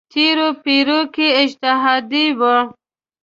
تېرو پېړیو کې اجتهادي وه.